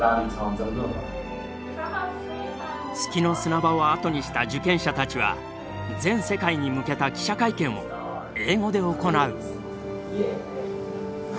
月の砂場をあとにした受験者たちは全世界に向けた記者会見を英語で行う。